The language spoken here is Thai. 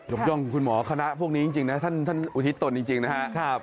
ย่องคุณหมอคณะพวกนี้จริงนะท่านอุทิศตนจริงนะครับ